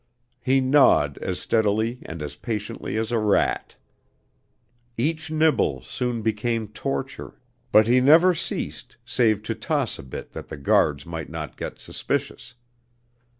He gnawed as steadily and as patiently as a rat. Each nibble soon became torture, but he never ceased save to toss a bit that the guards might not get suspicious.